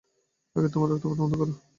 আগে তোমার রক্তপাত বন্ধ করতে হবে।